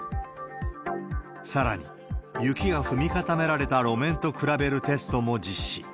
さらに、雪が踏み固められた路面と比べるテストも実施。